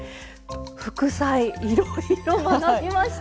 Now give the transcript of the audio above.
副菜いろいろ学びました。